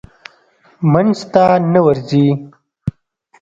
منځ ته نه ورځي.